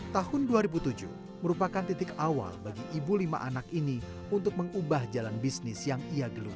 tahun dua ribu tujuh merupakan titik awal bagi ibu lima anak ini untuk mengubah jalan bisnis yang ia geluti